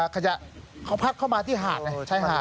ขยะเขาพัดเข้ามาที่หาดไงชายหาด